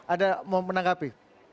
ada mau menangkapi